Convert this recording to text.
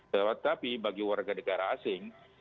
tetapi bagi warga negara asing